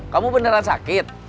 kamu beneran sakit